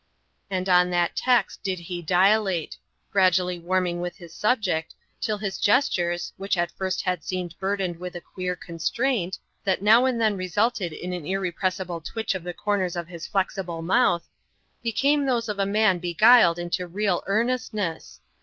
And on that text did he dilate; gradually warming with his subject, till his gestures which at first had seemed burthened with a queer constraint, that now and then resulted in an irrepressible twitch of the corners of his flexible mouth became those of a man beguiled into real earnestness.